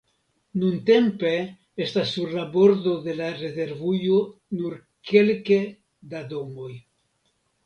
Nuntempe estas sur la bordo de la rezervujo nur kelke da domoj.